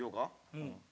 うん。